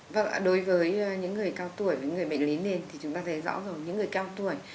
vâng đối với những người cao tuổi và những người bệnh lý nền thì chúng ta thấy rõ ràng những người cao tuổi